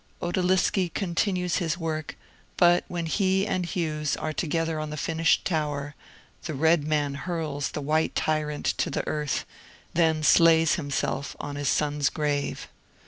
Outaliski continues his work, but when he and Hughes are together on the finished tower, the red man hurls the white tyrant to the earth, then slays himself on his son's grave.